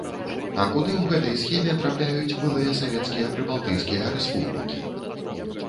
А куды ў гэтай схеме трапляюць былыя савецкія прыбалтыйскія рэспублікі?